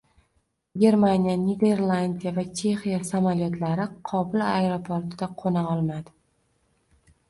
Germaniya, Niderlandiya va Chexiya samolyotlari Kobul aeroportiga qo‘na olmadi